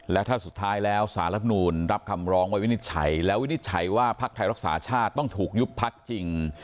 และถ้าสุดท้ายแล้วสารรับนูลรับคำร้องไว้วินิจฉัยและวินิจฉัยว่าพักไทยรักษาชาติต้องถูกยุบพักจริง